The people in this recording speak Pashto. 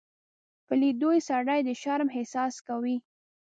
په لیدو یې سړی د شرم احساس کوي.